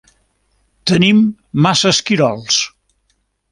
Tenim massa esquirols.